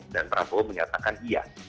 dan prabowo menyatakan iya